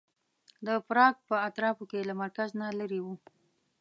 د پراګ په اطرافو کې له مرکز نه لرې و.